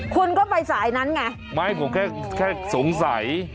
คุณก็ไปสายนั้นไงไม่ผมแค่แค่สงสัย